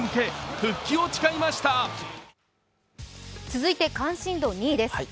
続いて関心度２位です。